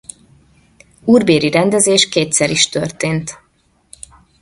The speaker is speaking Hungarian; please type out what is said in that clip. Úrbéri rendezés kétszer is történt.